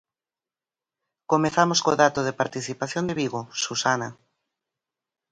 Comezamos co dato de participación de Vigo, Susana.